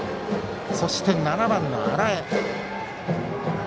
そして７番の荒江。